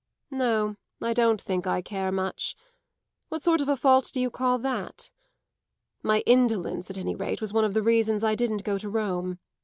"No; I don't think I care much. What sort of a fault do you call that? My indolence, at any rate, was one of the reasons I didn't go to Rome.